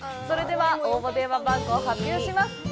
それでは、応募電話番号を発表します。